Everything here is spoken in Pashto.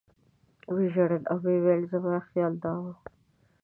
و یې ژړل او ویې ویل زما خیال دا و.